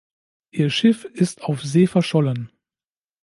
Ihr Schiff ist auf See verschollen.